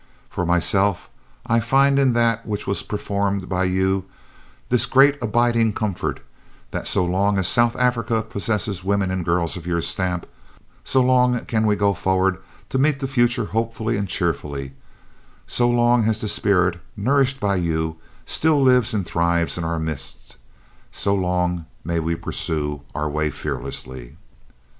For myself I find in that which was performed by you this great abiding comfort, that so long as South Africa possesses women and girls of your stamp, so long can we go forward to meet the future hopefully and cheerfully; so long as the spirit, nourished by you, still lives and thrives in our midst, so long may we pursue our way fearlessly."